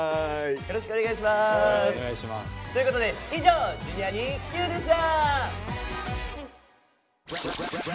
よろしくお願いします！ということで以上「Ｊｒ．にＱ」でした！